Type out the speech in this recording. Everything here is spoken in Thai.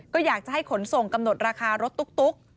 ก็อยากจะให้ขนส่งกำหนดราคารถตุ๊ก